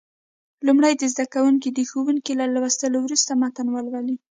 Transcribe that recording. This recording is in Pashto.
لومړی دې زده کوونکي د ښوونکي له لوستلو وروسته متن ولولي.